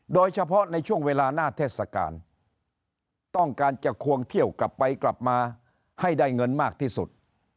โดยเฉพาะในช่วงเวลาหน้าเทศกาลต้องการจะควงเที่ยวกลับไปกลับมาให้ได้เงินมากที่สุด